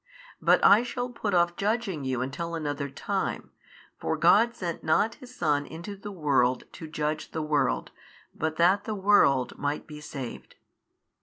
But I shall put off judging you until another time, for God sent not His Son into the world to judge the world, but that the world might be saved.